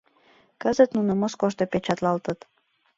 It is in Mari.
Кызыт нуно Москошто печатлалтыт.